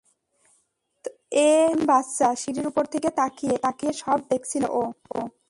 এ তখন বাচ্চা, সিঁড়ির উপর থেকে তাকিয়ে তাকিয়ে সব দেখেছিল ও।